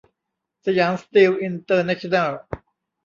สยามสตีลอินเตอร์เนชั่นแนล